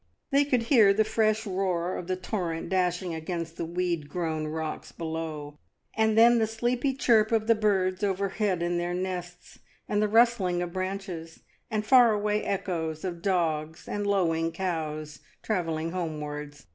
They could hear the fresh roar of the torrent dashing against the weed grown rocks below, and then the sleepy chirp of the birds over head in their nests, and the rustling of branches, and far away echoes of dogs and lowing cows travelling homewards.